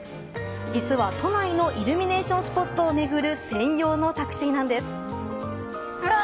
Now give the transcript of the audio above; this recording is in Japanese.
実は、都内のイルミネーションスポットを巡る専用のタクシーなんです。